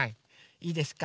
いいですか